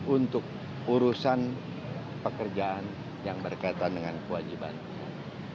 untuk urusan pekerjaan yang berkaitan dengan kewajiban kita